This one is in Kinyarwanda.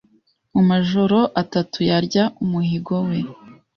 Mumajoro atatu Yarya umuhigo we